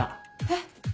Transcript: えっ。